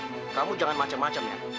bu kamu jangan macem macem ya